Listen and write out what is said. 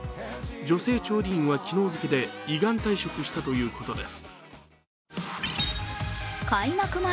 女性調理員は昨日付けで依願退職したということです。